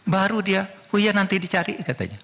baru dia oh iya nanti dicari katanya